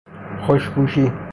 خوشپوشی